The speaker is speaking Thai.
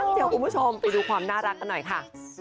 เดี๋ยวคุณผู้ชมไปดูความน่ารักกันหน่อยค่ะ